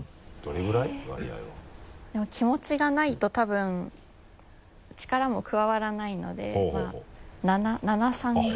でも気持ちがないと多分力も加わらないのでまぁ７：３ぐらい。